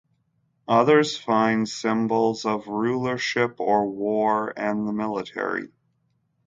Others find symbols of rulership, or war and the military.